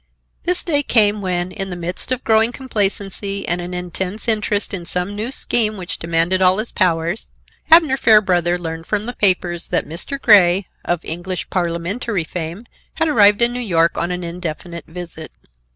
This day came when, in the midst of growing complacency and an intense interest in some new scheme which demanded all his powers, Abner Fairbrother learned from the papers that Mr. Grey, of English Parliamentary fame, had arrived in New York on an indefinite visit.